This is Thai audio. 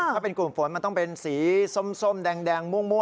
ถ้าเป็นกลุ่มฝนมันต้องเป็นสีส้มแดงม่วง